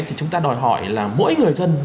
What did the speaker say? thì chúng ta đòi hỏi là mỗi người dân